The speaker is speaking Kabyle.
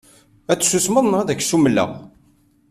Ad tsusmeḍ neɣ ad k-ssumleɣ.